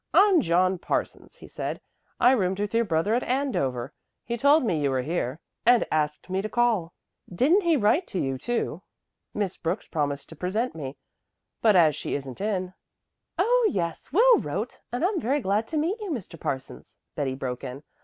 "I'm John Parsons," he said. "I roomed with your brother at Andover. He told me you were here and asked me to call. Didn't he write to you too? Miss Brooks promised to present me, but as she isn't in " "Oh, yes, Will wrote, and I'm very glad to meet you, Mr. Parsons," Betty broke in.